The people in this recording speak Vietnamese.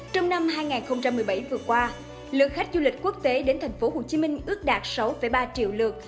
trong năm hai nghìn một mươi bảy vừa qua lượng khách du lịch quốc tế đến thành phố hồ chí minh ước đạt sáu ba triệu lượt